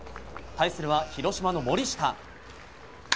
対するは広島の森下。